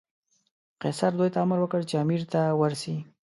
قیصر دوی ته امر وکړ چې امیر ته ورسي.